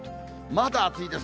まだ暑いです。